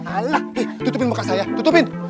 ayo tutupin muka saya tutupin